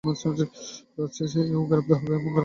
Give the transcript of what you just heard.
রাত শেষে, ও গ্রেফতার হবে আর জেলে যাবে।